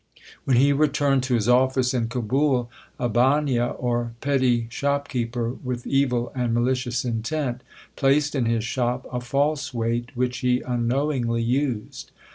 When he returned to his office in Kabul, a bania, or petty shopkeeper, with evil and malicious intent, placed in his shop a false weight, which he unknowingly used.